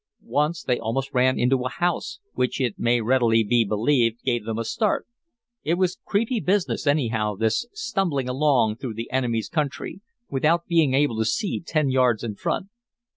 Once they almost ran into a house, which it may readily be believed gave them a start. It was creepy business, anyhow, this stumbling along through the enemy's country without being able to see ten yards in front.